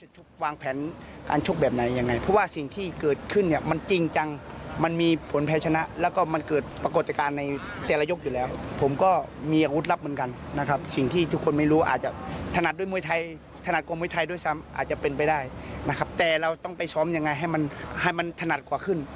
แต่เราต้องไปช้อมอย่างไรให้มันถนัดกว่าขึ้น